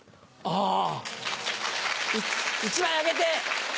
あ１枚あげて。